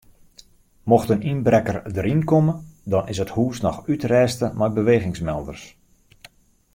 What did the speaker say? Mocht in ynbrekker deryn komme dan is it hûs noch útrêste mei bewegingsmelders.